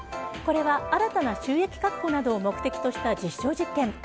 これは新たな収益確保などを目的とした実証実験。